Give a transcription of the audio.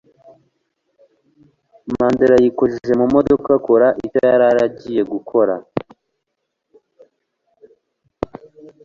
Mandela yikojeje mu modoka akora icyo yari agiye gukora